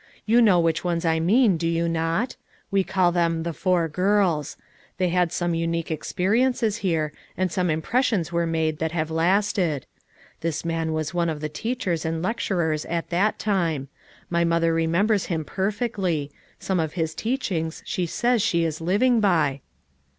You know which ones I mean do you not? We call them the "Four Girls. 13 They had some unique experiences here, and some im pressions were made that have lasted. This FOUR MOTHERS AT CHAUTAUQUA 291 man was one of the teachers and lecturers at that time; my mother remembers him per fectly; some of his teachings she says she is living by."